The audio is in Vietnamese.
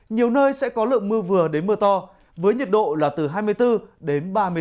nhiều nơi sẽ có lượng mưa vừa đến mưa to với nhiệt độ là từ hai mươi bốn đến ba mươi năm độ